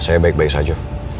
saya baik baik saja